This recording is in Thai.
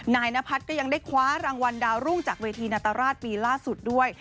นายนพัฒน์ก็ยังได้คว้ารางวัลดาวรุ่งจากเวทีนาตราชปีล่าสุดด้วย